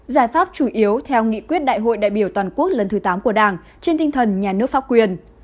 giải pháp chủ yếu theo nghị quyết đại hội đại biểu toàn quốc lần thứ tám của đảng trên tinh thần nhà nước pháp quyền